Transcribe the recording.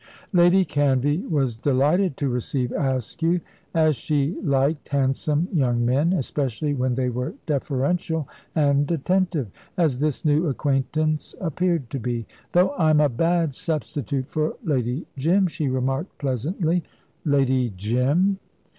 Lady Canvey was delighted to receive Askew, as she liked handsome young men, especially when they were deferential and attentive, as this new acquaintance appeared to be. "Though I'm a bad substitute for Lady Jim," she remarked pleasantly. "Lady Jim?"